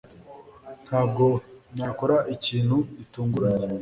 Ntabwo nakora ikintu gitunguranye